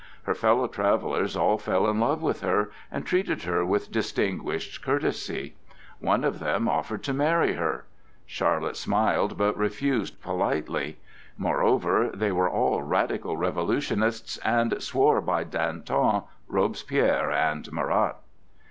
Her fellow travellers all fell in love with her and treated her with distinguished courtesy. One of them offered to marry her. Charlotte smiled, but refused politely. Moreover they were all radical revolutionists, and swore by Danton, Robespierre and Marat.